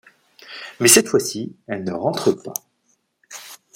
Mais cette fois-ci, elle ne rentre pas.